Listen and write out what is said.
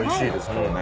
これね。